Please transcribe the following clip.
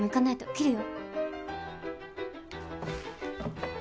切るよ。